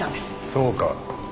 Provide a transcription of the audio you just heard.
そうか。